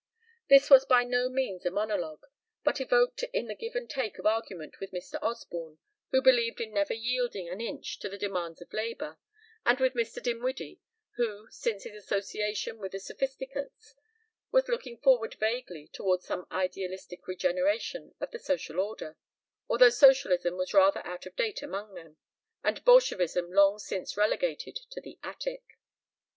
..." This was by no means a monologue, but evoked in the give and take of argument with Mr. Osborne, who believed in never yielding an inch to the demands of labor, and with Mr. Dinwiddie, who, since his association with the Sophisticates, was looking forward vaguely toward some idealistic regeneration of the social order, although Socialism was rather out of date among them, and Bolshevism long since relegated to the attic.